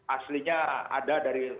aslinya ada dari